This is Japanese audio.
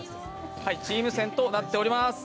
チーム戦となっております。